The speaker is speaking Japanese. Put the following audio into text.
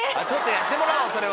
やってもらおうそれは。